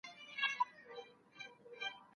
ستا له تنګ نظره جُرم دی ذاهده